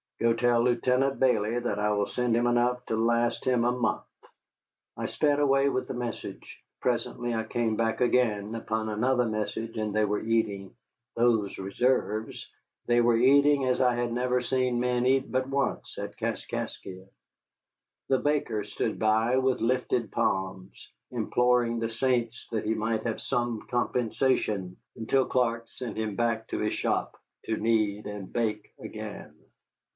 "Go tell Lieutenant Bayley that I will send him enough to last him a month." I sped away with the message. Presently I came back again, upon another message, and they were eating, those reserves, they were eating as I had never seen men eat but once, at Kaskaskia. The baker stood by with lifted palms, imploring the saints that he might have some compensation, until Clark sent him back to his shop to knead and bake again.